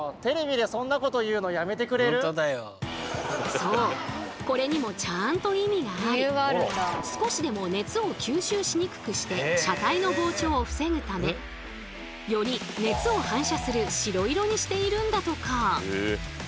そうこれにもちゃんと意味があり少しでも熱を吸収しにくくして車体の膨張を防ぐためより熱を反射する白色にしているんだとか。